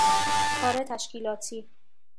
کار تشکیلاتی